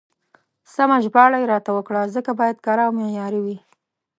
سمه ژباړه يې راته وکړه، ځکه بايد کره او معياري وي.